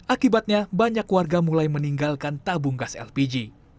akibatnya banyak warga mulai meninggalkan tabung gas lpg